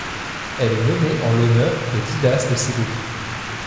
Elle est nommée en l'honneur de Didace de Ségovie.